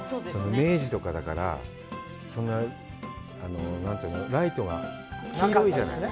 明治とかだから、ライトが黄色いじゃない。